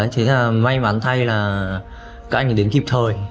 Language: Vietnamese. thế là may mắn thay là các anh ấy đến kịp thời